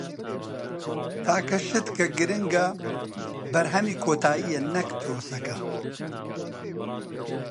تاکە شت کە گرنگە بەرهەمی کۆتایییە نەک پرۆسەکە.